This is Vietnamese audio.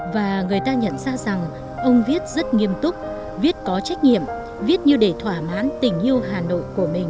và người ta nhận ra rằng ông viết rất nghiêm túc viết có trách nhiệm viết như để thỏa mãn tình yêu hà nội của mình